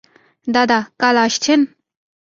দাদা কাল আসছেন?